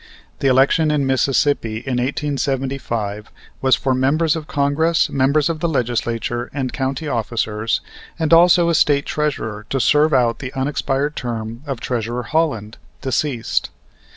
The election in Mississippi in 1875 was for members of Congress, members of the Legislature, and county officers, and also a State Treasurer to serve out the unexpired term of Treasurer Holland, deceased.